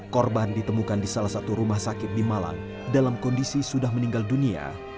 korban ditemukan di salah satu rumah sakit di malang dalam kondisi sudah meninggal dunia